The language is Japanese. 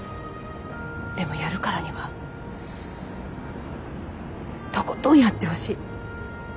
でもやるからにはとことんやってほしい。